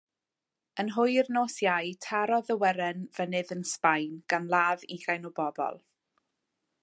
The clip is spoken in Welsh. Yn hwyr nos Iau tarodd awyren fynydd yn Sbaen, gan ladd ugain o bobl.